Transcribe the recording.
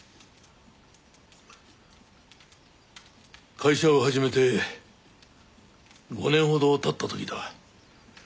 会社を始めて５年ほど経った時だ。